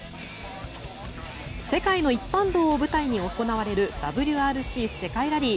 世界の一般道を舞台に行われるＷＲＣ・世界ラリー。